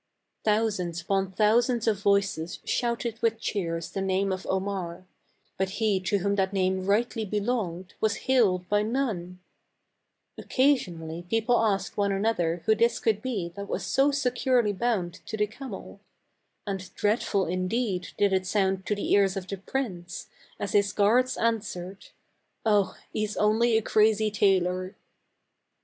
Thousands upon thousands of voices shouted with cheers the name of Omar ; but he to whom that name rightly belonged, was hailed by none. THE CARAVAN. 205 Occasionally people asked one another who this could be that was so securely bound to the camel ; and dreadful indeed did it sound to the ears of the prince, as his guards answered, " Oh ! he's only a crazy tailor."